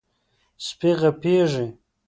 سپي غپېږي.